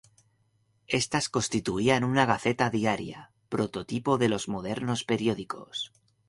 Estas constituían una gaceta diaria, prototipo de los modernos periódicos.